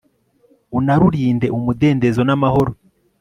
unarurinde, umudendezo n'amahoro